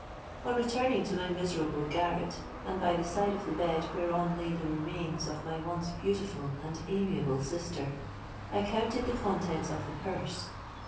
"On returning to my miserable garret, and by the side of the bed whereon lay the remains of my once beautiful and amiable sister, I counted the contents of the purse.